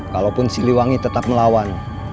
kalaupun siliwangi tetap melawan